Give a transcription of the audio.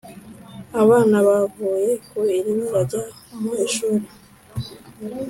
- abana bavuye ku iriba bajya mu ishuri.